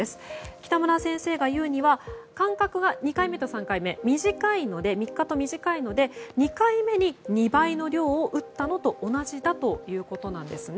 北村先生が言うには間隔が２回目と３回目３日と短いので、２回目に２倍の量を打ったのと同じだということなんです。